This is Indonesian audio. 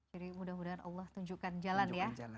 jadi mudah mudahan allah tunjukkan jalan ya